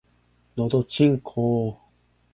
のどちんこぉ